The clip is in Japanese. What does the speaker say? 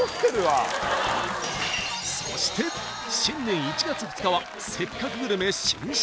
そして新年１月２日は「せっかくグルメ」新春